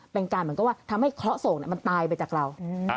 เป็นการเหมือนกับว่าทำให้เคราะห์โศกมันตายไปจากเรา